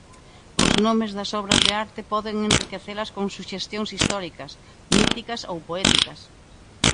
Os nomes das obras de arte poden enriquecelas con suxestións históricas, míticas ou poéticas.